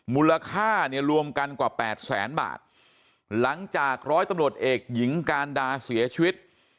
มูลค่าเนี่ยรวมกันกว่าแปดแสนบาทหลังจากร้อยตำรวจเอกหญิงการดาเสียชีวิต